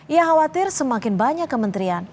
ia khawatir semakin banyak kementerian